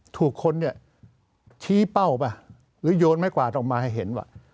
ถูกคนเนี่ยชี้เป้าป่ะหรือโยนไม้กวาดออกมาให้เห็นว่า